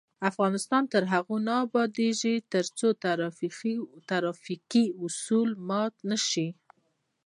افغانستان تر هغو نه ابادیږي، ترڅو ترافیکي اصول مات نشي.